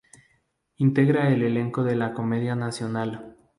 Integra el elenco de la Comedia Nacional.